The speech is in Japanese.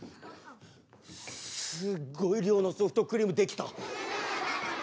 すっごい量のソフトクリーム出来た。